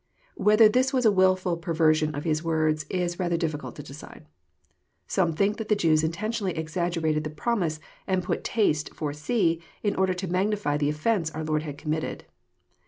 Whether this was a wilftil perversion of His words is rather difficult to decide. Some think that the Jews intentionally exaggerated the promise, and puf taste" for see,"in order to magnify the oifence our Lord had committed.